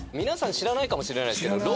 皆さん知らないかもしれないですけど。